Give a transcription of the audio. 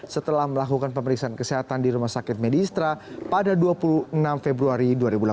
setelah melakukan pemeriksaan kesehatan di rumah sakit medistra pada dua puluh enam februari dua ribu delapan belas